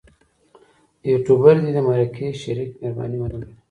یوټوبر دې د مرکه شریک مهرباني ونه ګڼي.